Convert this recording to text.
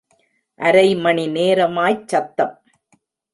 அரை மணி நேரமாய்ச் சத்தம்.